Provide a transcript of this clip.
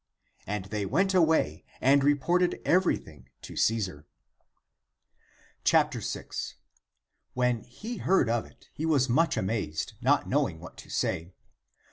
And they went away and reported everything to Caesar. 6. When he heard (of it), he was much amazed, not knowing what to say.